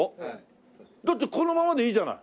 だってこのままでいいじゃない。